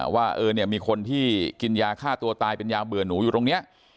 ว่าเออเนี่ยมีคนที่กินยาฆ่าตัวตายเป็นยาเบื่อหนูอยู่ตรงนี้